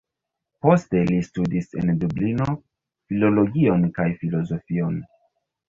Poste li studis en Dublino filologion kaj filozofion.